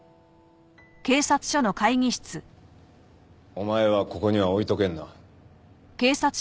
お前はここには置いとけんな。